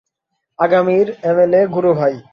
আগামীর এমএলএ, গুরু ভাই!